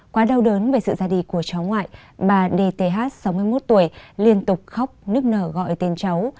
quá đau đớn về sự ra đi của cháu ngoại bà dth sáu mươi một tuổi liên tục khóc nức nở gọi tên cháu